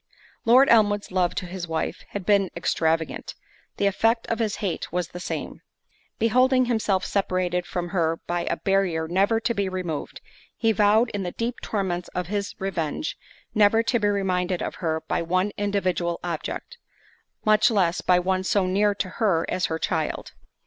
Lord Elmwood's love to his wife had been extravagant—the effect of his hate was the same. Beholding himself separated from her by a barrier never to be removed, he vowed in the deep torments of his revenge, never to be reminded of her by one individual object; much less, by one so near to her as her child.